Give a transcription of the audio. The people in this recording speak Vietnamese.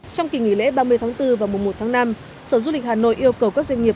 trong kỳ nghỉ lễ ba mươi tháng bốn và mùa một tháng năm sở du lịch hà nội yêu cầu các doanh nghiệp